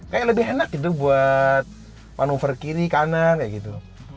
kayak lebih enak gitu buat manuver kiri kanan kayak gitu